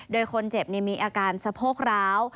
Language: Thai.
โดยคนเจ็บมีอาการสะโพกร้าว